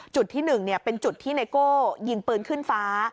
จุดที่หนึ่งเนี่ยเป็นจุดที่นายโก้ยิงปืนขึ้นฟ้า